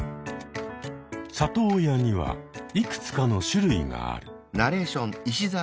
里親にはいくつかの種類がある。